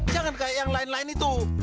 jangan kayak yang lain lain itu